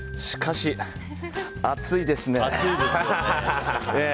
しかし熱いですね。